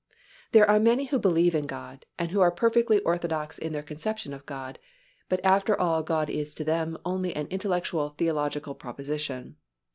There are many who believe in God, and who are perfectly orthodox in their conception of God, but after all God is to them only an intellectual theological proposition.